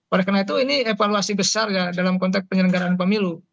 oleh karena itu ini evaluasi besar ya dalam konteks penyelenggaraan pemilu